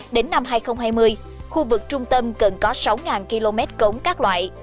đến năm hai nghìn hai mươi khu vực trung tâm cần có sáu km cống các loại